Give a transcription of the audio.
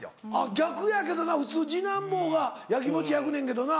逆やけどな普通次男坊が焼きもち焼くねんけどな。